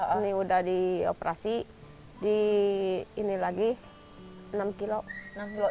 ini udah dioperasi di ini lagi enam kilo